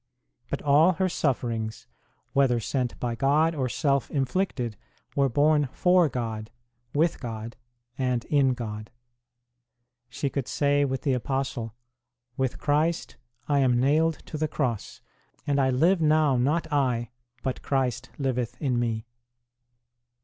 But all her sufferings, whether sent by God or self inflicted, were borne for God, with God, and in God. She could say with the Apostle : With Christ I am nailed to the Cross ; and I live, now not I, but Christ liveth in me.